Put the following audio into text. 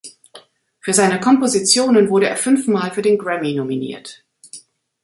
Für seine Kompositionen wurde er fünfmal für den Grammy nominiert.